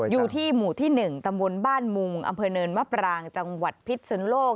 อยู่ที่หมู่ที่๑ตำบลบ้านมุงอำเภอเนินมะปรางจังหวัดพิษสุนโลก